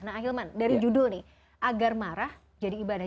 nah akhilman dari judul nih agar marah menjadi ibadah